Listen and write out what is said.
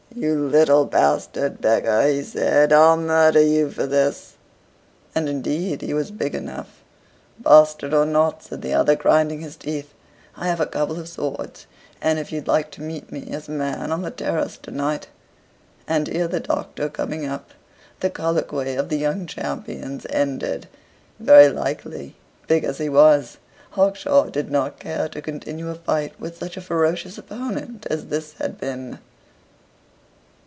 "You little bastard beggar!" he said, "I'll murder you for this!" And indeed he was big enough. "Bastard or not," said the other, grinding his teeth, "I have a couple of swords, and if you like to meet me, as a man, on the terrace to night " And here the Doctor coming up, the colloquy of the young champions ended. Very likely, big as he was, Hawkshaw did not care to continue a fight with such a ferocious opponent as this had been.